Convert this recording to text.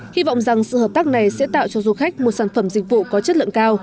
hy vọng rằng sự hợp tác này sẽ tạo cho du khách một sản phẩm dịch vụ có chất lượng cao